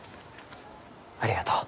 ありがとう。